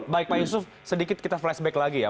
baik pak yusuf sedikit kita flashback lagi ya